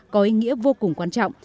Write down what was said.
có ý nghĩa vô cùng quan trọng